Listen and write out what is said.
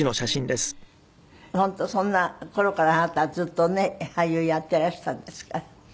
本当そんな頃からあなたはずっとね俳優やってらしたんですから。